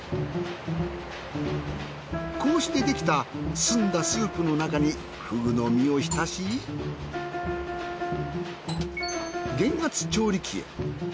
こうして出来た澄んだスープの中にふぐの身を浸し減圧調理器へ。